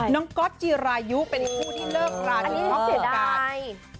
น้องก๊อตจีรายุเป็นผู้ที่เลิกราที่พร้อมประกาศ